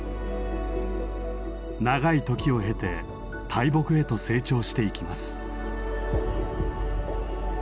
長い時を経て大木へと成長していきます。